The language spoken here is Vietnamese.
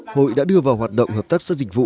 hội đã đưa vào hoạt động hợp tác xã dịch vụ